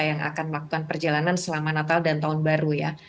yang akan melakukan perjalanan selama natal dan tahun baru ya